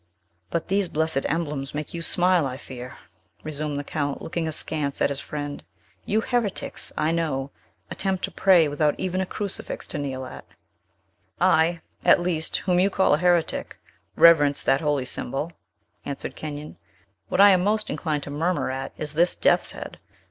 "But these blessed emblems make you smile, I fear," resumed the Count, looking askance at his friend. "You heretics, I know, attempt to pray without even a crucifix to kneel at." "I, at least, whom you call a heretic, reverence that holy symbol," answered Kenyon. "What I am most inclined to murmur at is this death's head.